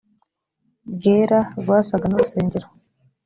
bwera rwasaga n urusengero